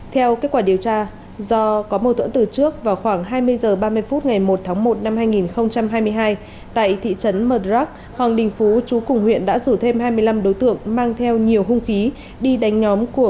theo kết quả điều tra do có mâu thuẫn từ trước vào khoảng hai mươi h ba mươi phút ngày một tháng một năm hai nghìn hai mươi hai tại thị trấn mờ đoác hoàng đình phú chú cùng huyện đã rủ thêm hai mươi năm đối tượng mang theo nhiều hung khí đi đánh